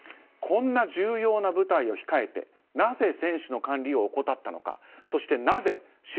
こんな重要な舞台を控えてなぜ選手の管理を怠ったのか。